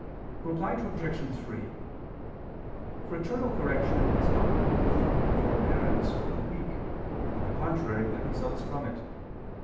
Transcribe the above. Reply Obj. 3: Fraternal correction is not opposed to forbearance with the weak, on the contrary it results from it.